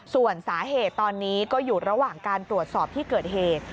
ส่วนสาเหตุตอนนี้ก็อยู่ระหว่างการตรวจสอบที่เกิดเหตุ